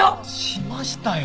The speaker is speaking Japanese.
しましたよ！